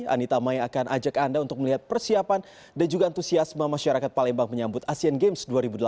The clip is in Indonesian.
anita mai akan ajak anda untuk melihat persiapan dan juga antusiasme masyarakat palembang menyambut asian games dua ribu delapan belas